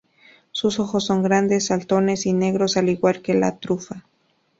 Sus ojos son grandes, saltones y negros al igual que la trufa.